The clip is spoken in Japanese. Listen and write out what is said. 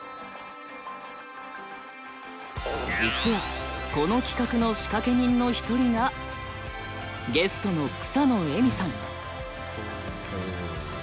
実はこの企画の仕掛け人の一人がゲストの草野絵美さん。